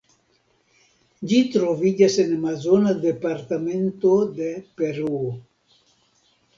Ĝi troviĝas en amazona departemento de Peruo.